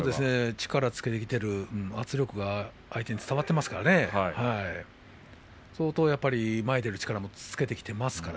力をつけてきた圧力が相手に伝わっていますから相当、前に出る力をつけてきていますね。